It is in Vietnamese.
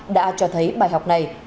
đã cho thấy bài học này